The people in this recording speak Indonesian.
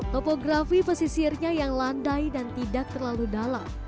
topografi pesisirnya yang landai dan tidak terlalu dalam